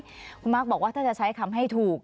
ทุกคนมาบอกว่าถ้าจะใช้คำให้ถูก